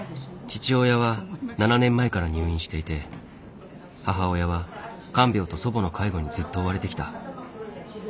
父親は７年前から入院していて母親は看病と祖母の介護にずっと追われてきた。